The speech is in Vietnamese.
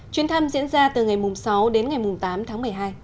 chuyến thăm diễn ra từ ngày sáu đến ngày tám tháng một mươi hai